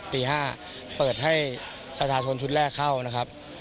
ตี๕เปิดให้ประชาชนชุดแรกเข้านะครับ